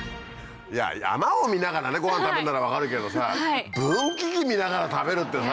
山を見ながらご飯食べんなら分かるけどさ分岐器見ながら食べるって。